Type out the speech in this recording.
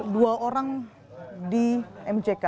dua orang di mck